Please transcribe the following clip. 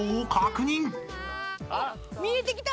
見えてきた！